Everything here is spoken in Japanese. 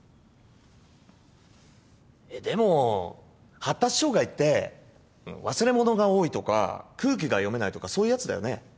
えっでも発達障害って忘れ物が多いとか空気が読めないとかそういうやつだよね？